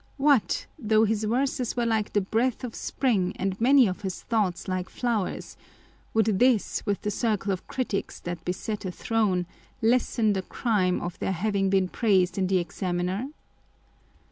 What, though his verses were like the breath of spring, and many of his thoughts like flowers â€" would this, with the circle of critics that beset a throne, lessen the crime of their having been praised in the Examiner